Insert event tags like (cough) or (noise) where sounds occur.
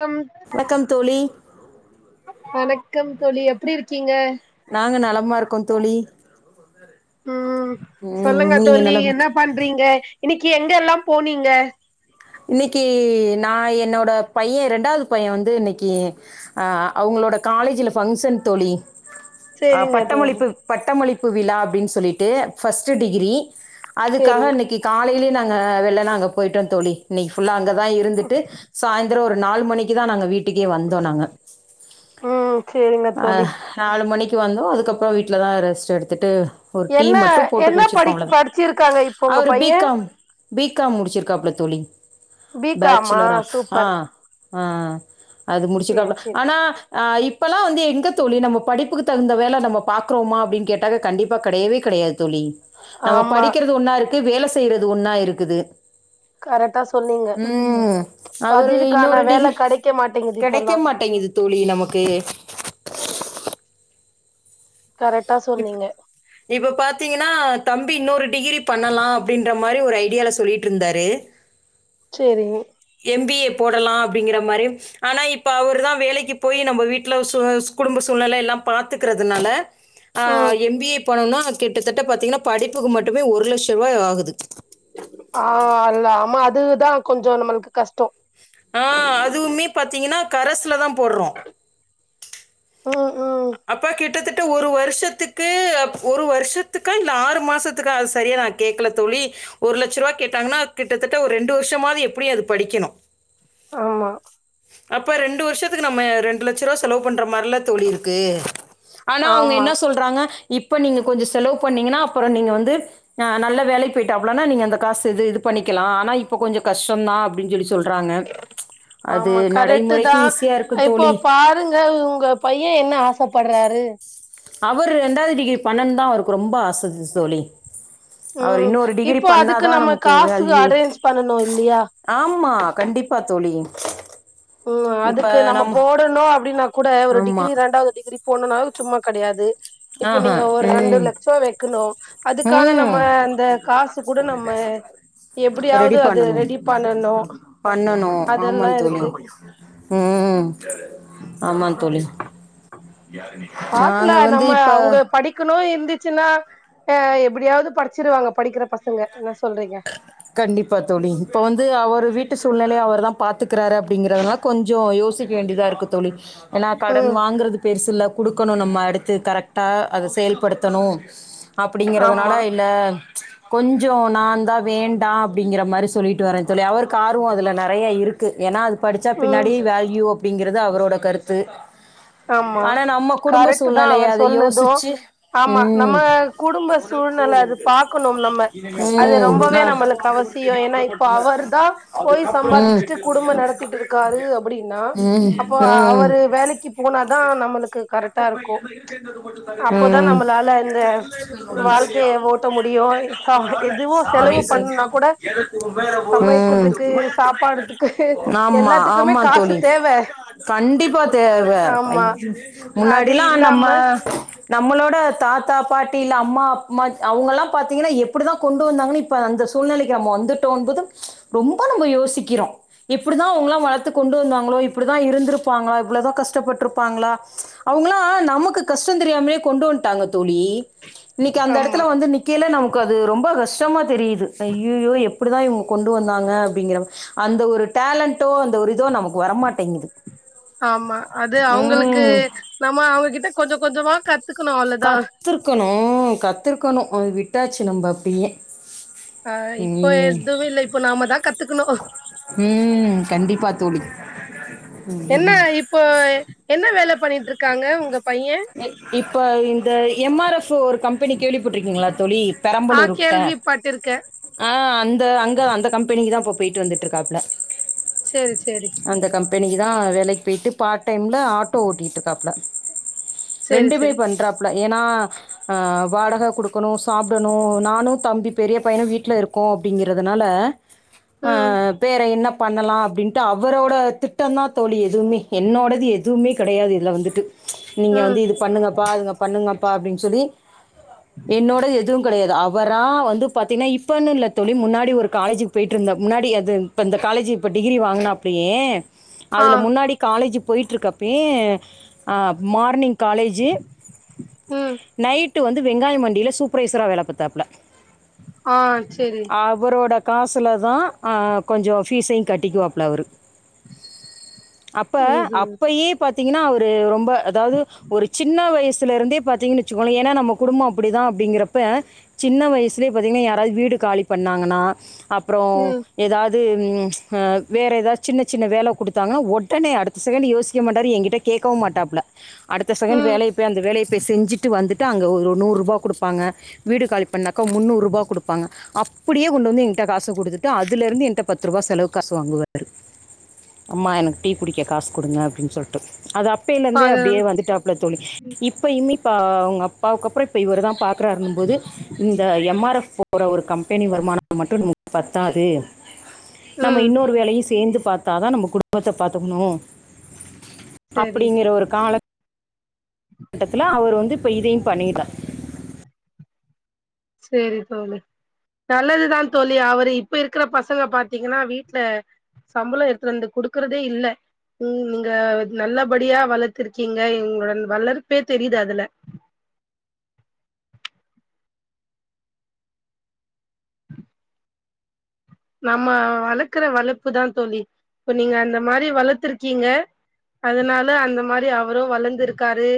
Come வணக்கம் தோழி வணக்கம் தோழி எப்டி இருக்கீங்க நாங்க நலமா இருக்கோ தோழி ம் ம் சொல்லுங்க நீங்க தோழி என்ன நலமாருக்கி பண்றீங்க இன்னைக்கி எங்கெல்லா போனீங்க இன்னைக்கி நா என்னோட பைய ரெண்டாவது பைய வந்து இன்னைக்கி ஆ அவங்ளோட காலேஜில ஃபங்க்ஷன் தோழி அ சேரிங்க தோழி பட்டமளிப்பு பட்டமளிப்பு விழா அப்டின் சொல்லிட்டு ஃபஸ்ட்டு டிகிரி அதுக்காக சேரி இன்னைக்கி காலைலயே நாங்க வெள்ளன அங்க போயிட்டோ தோழி இன்னைக்கு ஃபுல்ல அங்கதா இருந்துட்டு சாயந்ரோ ஒரு நாலு மணிக்கு தா நாங்க வீட் டுக்கே வந்தோ நாங்க ம் சேரிங்க தோழி ஆ நாலு மணிக்கு வந்தோ அதுக்கப்றோ வீட்ல தா ரெஸ்ட் எடுத்துட்டு ஒரு டீ என்ன மட்டு போட்டு என்ன குடிச்சிருக்கோ படி அவ்ளோதா படிச்சிருக்காங்க இப்போ உங்க அவரு பி பைய காம் பி காம் முடிச்சிருக்காப்புல தோழி பி காமா பேச்சுலர் ஆஃப் ஆ சூப்பர் ஆ அது சேரி முடிச்சுக்காப்புல சேரி ஆனா இப்பல்லா வந்து எங்கே தோழி நம்ம படிப்புக்கு தகுந்த வேல நம்ம பாக்றோமா அப்டின்னு கேட்டா கண்டிப்பா கெடயவே கெடையாது தோழி நம்ம ஆமா படிக்கிறது ஒன்னா இருக்கு வேல செய்யறது ஒன்னா இருக்குது கரெக்டா சொன்னீங் ம் அவரு இன்னொரு வேல டிகிரி கெடைக்க மாட்டேங்குது கெடைக்க இப்போல்லா மாட்டேங்குது தோழி நமக்கு கரெட்டா இப் சொன்னீங்க இப்ப பாத்தீங்கனா தம்பி இன்னொரு டிகிரி பண்ணலா அப்டின்றமா மாரி ஒரு ஐடியால சொல்லிட் இருந்தாரு செரிங்க எம் பி ஏ போடலா அப்டிங்கிற மாரி ஆனா இப்ப அவரு தா வேலைக்கு போயி நம்ம வீட்ல சோ ச குடும்ப சூழ்நெல எல்லா பாத்துக்கறதுனால ஆ ம் எம் பி ஏ பண்ணுனா கிட்டத்தட்ட பாத்தீங்கன்னா படிப்புக்கு மட்டுமே ஒரு லட்ச ரூபாய் ஆகுது ஆ அல்லா ஆமா அதுதா கொஞ்சோ நம்மளுக்கு கஷ்டோ ஆ அதுமே பாத்தீங்கன்னா கரசுல தா போற்றோ ம் ம் அப்ப கிட்டத்தட்ட ஒரு வருஷத்துக்கு ஒரு வருஷத்துக்கா இல்ல ஆறு மாசத்துக்க அது சரியா நா கேக்கல தோழி ஒரு லட்சருவா கேட்டாங்கன்னா கிட்டத்தட்ட ஒரு ரெண்டு வருஷமாது எப்டியு அது படிக்கணு ஆமா அப்ப ரெண்டு வருஷத்துக்கு நம்ம ரெண்டு லட்சருவா செலவு பண்ற மாரிலா தோழி இருக்கு ஆனா அவங்க ஆமா என்ன சொல்றாங்க இப்ப நீங்க கொஞ்சோ செலவு பண்ணீங்கன்னா அப்பறோ நீங்க வந்து ஆ நல்ல வேலைக்கு போயிட்டாப்பளனா நீங்க அந்த காசு இது இது பண்ணிக்கலா ஆனா இப்ப கொஞ்சோ கஷ்டோதா அப்டின்னு சொல்லி சொல்றாங்க அது ஆமா கரெக்ட் தா நடைமுறைக்கு ஈஸியா இருக்கும் இப்போ தோழி பாருங்க உங்க பைய என்ன ஆசப்படுறாரு அவரு ரெண்டாவது டிகிரி பண்ணனுதா அவருக்கு ரொம்ப ஆச இஷ்சு தோழி அவரு ம் இன்னொரு டிகிரி இப்போ அதுக்கு பண்ணாதா நம்ம நமக்கு காசு வேல்யூ அரேஞ்ச் பண்ணனு இல்லையா ஆமா கண்டிப்பா தோழி ம் அதுக்கு நம்ம போடணு அப்டின்னா கூட ஒரு ஆமா டிகிரி ரெண்டாவது டிகிரி போனூனா சும்மா கெடையாது இப்ப ஆஹா நீங்க ஒரு ரெண்டு ம் லட்சோ வெக்கணு அதுக்கான நம்ம அந்த காசு கூட கூல் நம்ம நெசவத்தி வாது எப்டியாவது ரெடி அது பண்ணனு ரெடி பண்ணனு பண்ணனு ஆமா அதெல்லா தோழி இருக்கு ம் ஆமா தோழி பாக்கல நாங்க வந்து நம்ம இப்ப அவங்க படிக்கணு இருந்துச்சின்னா அ எப்டியாது படிச்சிருவாங்க படிக்கிற பசங்க என்ன சொல்றங்க கண்டிப்பா தோழி இப்ப வந்து அவர் வீட்டு சூழ்நிலைய அவர் தா பாத்துக்கிறாரு அப்டிங்கிறது எல்லா கொஞ்சோ யோசிக்க வேண்டியதா இருக்கு தோழி ஏனா கடன் ம் வாங்றது பெருசுல்லா குடுக்கணு நம்ம அடுத்து கரெக்டா அத செயல்படுத்தணு அப்டிங்கறதுனால ஆமா இல்ல கொஞ்சோ நாந்தா வேண்டா அப்டிங்கிற மாரி சொல்லிட்டு வர தோழி அவருக்கு ஆர்வம் அதுல நறைய இருக்கு ஏனா அதுக் படிச்சா ம் பின்னாடி வேல்யூ அப்டிங்கறது அவரோட கருத்து ஆமா ஆனா நம்ம குடும்ப கரெக்ட் தா சூழ்நிலைய அவர் அத சொன்னதோ யோசிச்சு ஆமா ம் நம்ம குடும்ப சூழ்நில அது பாக்கணு நம்ம ம் அது ரொம்பவே ஆ நம்மளுக்கு அவசியோ ஏனா இப்போ அவர தா போய் ம் சம்பாதிச்சிட்டு குடும்பம் நடத்திட்டு இரு இருக்காரு அப்டின்னா ம் அப்போ அவரு வேலைக்கிப் போனாதா நம்மளுக்கு கரெக்டா இருக்கு அப்போதா நம்மளால இந்த வாழ்க்கைய ஓட்ட முடியு எதுவோ செலவு பண்ணா கூட ம் ம் ம் சமைக்கிறதுக்கு சாப்பாடுறதுக்கு ஆமா எல்லாத்துக்குமே ஆமா காசு தோழி தேவ கண்டிப்பா தேவ ஆமா அது முன்னாடில்லா நம்ம இல்லாம நம்மளோட தாத்தா பாட்டி இல்ல அம்மா அம்மா அவங்க எல்லா பாத்தீங்கன்னா எப்டிதா கொண்டு வந்தாங்கன்னு இப் இப்ப அந்த சூழ்நலைக்கு நம்ம வந்துட்டோ போது ரொம்ப நம்ப யோசிக்கிறோ எப்டிதா அவங்களா வளத்து கொண்டு வந்தாங்களோ இப்டிதா இருந்திருப்பாங்களா இவ்ளோதா கஷ்டப்பட்ருப்பாங்களா அவங்களா நமக்கு கஷ்டோ தெரியாமயே கொண்டு வந்துடாங்க தோழி இன்னைக்கு அந்த ஆமா எடத்துல வந்து நிக்கேல நமக்கு அது ரொம்ப கஷ்டமத் தெரியுது ஐ ஐயோ எப்டிதா இவங்க கொண்டு வந்தாங்க அப்டிங்கற அந்த ஒரு டேலண்டோ அந்த ஒரு இதோ நமக்கு வரமாட்டேங்குது ஆமா அது அவங்களுக்கு ம் நம்ம அவங்ககிட்ட கொஞ்ச கொஞ்சமா கத் கத்துருக்கணு கத்திருக்கணு அது விட்டாச்சி நம்ம அப்டியே ஆ இப்போ எதுவு இல்லை இப்போ நாம தா கத் உம் கண்டிப்பா தோழி என்ன இப்போ என்ன வேல பண்ணிட்டு இருக்காங்க உங்க பைய இப்ப இந்த எம் ஆர் எஃப் ஒரு கம் பெனி கேள்விப்பட்டிருக்கீங்களா தோழி ஆ தரம்பலூரு கிட்ட கேள்விப்பட்டிருக்கே அ அந்த அங்க அந்த கம்பெனிக்கு தா இப்போ போயிட்டு வந்துட்டு இருக்காப்புல செரி செரி அந்த கம்பெனிக்கு தா வேலைக்கு பேய்ட்டு பார்ட் டைம்ல ஆட்டோ ஓட்டிட்டு இருக்காப்பல சேரி ரெண்டுமே சேரி பண்றாப்ல ஏனா அ வாடக குடு க்குணு சாப்டணு நானு தம்பி பெரிய பையனு வீட்ல இருக்கோ அப்டிங்கிறதுனால அ ம் பேற என்ன பண்ணலா அப்டின் ட்டு அவரோட திட்டந்தா தோழி எதுவுமே என்னோடது எதுவுமே கெடையாது இதுல வந்துட்டு. நீங்க ம் வந்து இது பண்ணுங்கப்பா அதுங்க பண்ணுங்கப்பா அப்டின் சொல்லி என்னோடது எதுவு கெடையாது அ வரா வந்து பாத்தீங்னா இப்பன்னு இல்ல தொழி முன்னாடி ஒரு காலேஜுக் போயிட்ருந்த முன்னாடி அது ப்ப இந்த காலேஜு இப்ப டிகிரி வாங்னாப்லயே ஆ அதுல முன்னாடி காலேஜு போய்ட்ருக்கப்பயே அ மார்னிங் காலேஜு ம். நைட்டு வந்து வெங்காயம் மண்டில சூப்பர்வைசரா வேல பாத்தாப்ல. ஆ சேரி. அவரோட காசுலதா அ கொஞ்சோ ஃபீஸையு கட்டிக்வாப்ல அவுரு. அப்ப ம்ஹும் அப்பயே பாத்தீங்கன்னா அவுரு ரொம்பொ அதாவது ஒரு சின்ன வயசுல இருந்தே பாத்தீங்கனு வெ ச்சுக்கோளே ஏனா நம்ம குடும்போ அப்பிடிதா அப்டிங்கிறப்ப சின்ன வயசுலியே பாத்தீங்கனா யாராது வீடு காலி பண்ணாங்கனா அ ப்றோ ம் ம் எதாது ம் அ வேற எதா சின்ன சின்ன வேல குடுத்தாங்கனா ஒடனே அடுத்த செகண்டு யோசிக்வே மாட்டாரு எங்கிட்ட கேக்கவு மாட்டாப்ல அடுத்த செகண்டு ம் வேலைய போய் அந்த வேலைய போய் செஞ்சுட்டு வந்துட் டு அங்க ஒரு நூர்ருபா குடுப்பாங்க வீடு காலி பண்ணாக்கா முந்நூர்ருபா குடுப்பாங்க. அப்டியே கொண்டு வந்து எங்கிட்ட காச குடுத்துட்டு அதுல இருந்து என்ட்ட பத்து ருபா செலவுக் காசு வாங்குவாரு. அம்மா எனக்கு டீ குடிக்க காசு குடுங்க அப்டின் சொல்ட்டு அது அப்பைலந்தே அது அப்டியே வந்துட்டாப்ல தோழி. இப் இப்பயிமே இப்ப அ அவுங்க அப்பாவுக்கு அப்புறோ இப்ப இவுரு தா பாக்றாருன்னும்போது இந்த எம் ஆர் எஃப் போற ஒரு கம்பெனி வருமானம் மட்டு நமக் பத்தாது நம்ம ம் இன்னோரு வேலையு சேந்துப் பாத்தாதா நம்ப குடும்பத்த பாத்துக்குணு சேரி அப்பிடிங்கிற ஒரு காலக் கட்டத்துல அவுரு வந்து இப்ப இதையும் பண்ணி (unintelligible) சேரி தோழி. நல்லதுதா தோழி அவரு இப்ப இருக்கற பசங்க பாத்திங்கன்னா வீட்ல சம்பளோ எடுத்துட்டு வந்து குடுக்குறதே இல்ல ம் நீங்க நல்லபடியா வளத்துருக்கீங்க இங்ளுடன் வளர்ப்பே தெரியுது அதுல. நம்ம வளக்கற வளர்ப்புதா தோழி இப்ப நீங்க அந்த மாரி வளத்துருக்கீங்க அதுனால அந்த மாரி அவுரு வளந்துருக்காரு